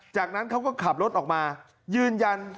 จากนั้นเขาก็ขับรถออกมายืนยัน